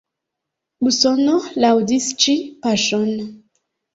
Usono laŭdis ĉi paŝon.